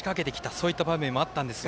そういった場面もあったんですが。